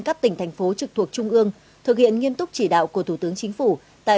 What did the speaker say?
các tỉnh thành phố trực thuộc trung ương thực hiện nghiêm túc chỉ đạo của thủ tướng chính phủ tại